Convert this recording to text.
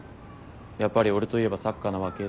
「やっぱり俺といえばサッカーなわけ？」